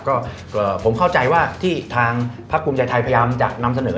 ก็ผมเข้าใจว่าที่ทางพักภูมิใจไทยพยายามจะนำเสนอ